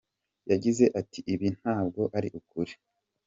Yagize ati “Ibi ntabwo ari ukuri.